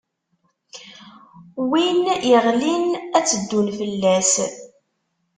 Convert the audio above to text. Win iɣlin, ad tt-ddun fell-as.